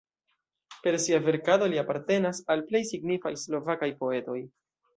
Per sia verkado li apartenas al plej signifaj slovakaj poetoj.